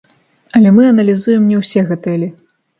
Але мы аналізуем не ўсе гатэлі.